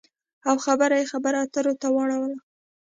او خبره یې خبرو اترو ته واړوله